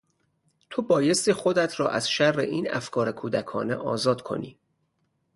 تو بایستی خودت را از شر این افکار کودکانه آزاد کنی.